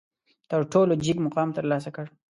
تر ټولو جګ مقام ترلاسه کړ.